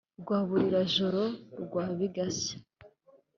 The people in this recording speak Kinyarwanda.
Bwa Rubarira-joro* rwa Bigashya*,